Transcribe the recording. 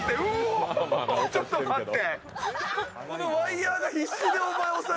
ちょっと待って。